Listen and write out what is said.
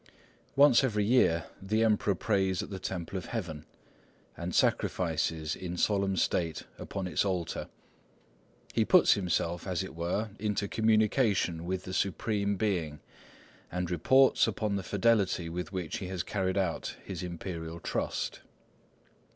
Once every year the Emperor prays at the Temple of Heaven, and sacrifices in solemn state upon its altar. He puts himself, as it were, into communication with the Supreme Being, and reports upon the fidelity with which he has carried out his Imperial trust.